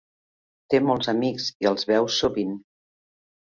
Té molts amics i els veu sovint.